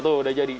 tuh udah jadi